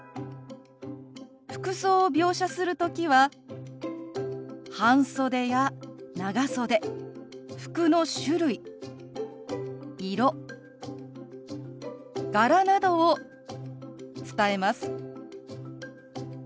服装を描写する時は半袖や長袖服の種類色柄などを伝えます。